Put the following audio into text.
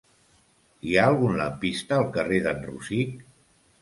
Hi ha algun lampista al carrer d'en Rosic?